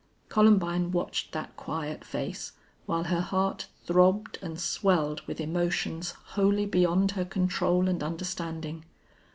Columbine watched that quiet face, while her heart throbbed and swelled with emotions wholly beyond her control and understanding.